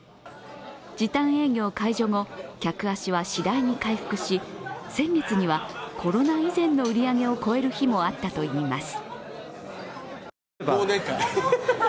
時短営業解除後、客足は次第に回復し先月にはコロナ以前の売り上げを超える日もあったといいます。